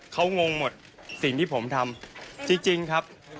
เขางงหมดสิ่งที่ผมทำจริงครับ